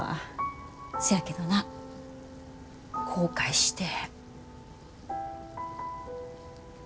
せやけどな後悔してへん。